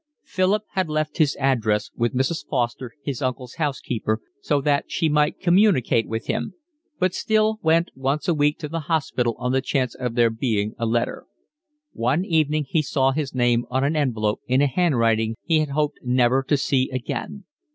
Philip had left his address with Mrs. Foster, his uncle's housekeeper, so that she might communicate with him, but still went once a week to the hospital on the chance of there being a letter. One evening he saw his name on an envelope in a handwriting he had hoped never to see again.